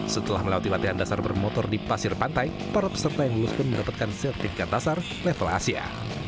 setelah melewati latihan dasar bermotor di pasir pantai para peserta yang lulus pun mendapatkan sertifikat dasar level asia